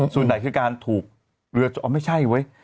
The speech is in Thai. ส่วนไหนคือการถูกเรือไม่ใช่เว้ย